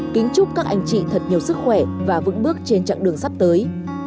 kính chúc các anh chị thật nhiều sức khỏe và vững bước trên chặng đường sắp tới